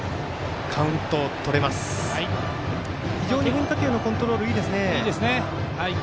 変化球のコントロールいいですね。